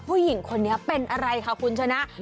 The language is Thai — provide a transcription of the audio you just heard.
ผู้หญิงคนนี้เป็นอะไรค่ะคุณชนะ